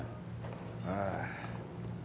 ああ。